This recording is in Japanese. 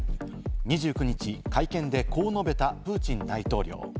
２９日、会見でこう述べた、プーチン大統領。